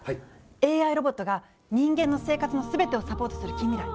ＡＩロボットが人間の生活の全てをサポートする近未来。